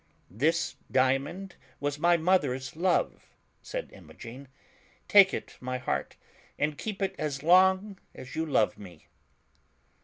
"This diamond was my mother's love," said Imogen; "take it, my heart, and keep it as long as you love me."